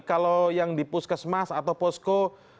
jadi kalau yang di puskesmas atau posko